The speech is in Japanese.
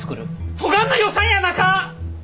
そがんな予算やなか！